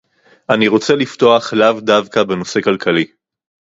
אני רוצה לפתוח לאו דווקא בנושא כלכלי